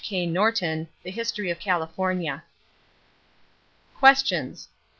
K. Norton, The Story of California. =Questions= 1.